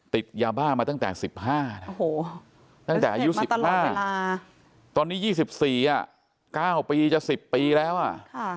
ติดยาบ้ามาตั้งแต่๑๕นะตั้งแต่อายุ๑๕ตอนนี้๒๔๙ปีจะ๑๐ปีแล้วอ่ะ